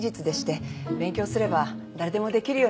勉強すれば誰でもできるようになります。